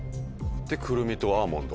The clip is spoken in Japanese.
でくるみとアーモンド。